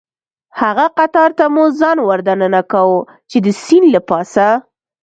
هغه قطار ته مو ځان وردننه کاوه، چې د سیند له پاسه.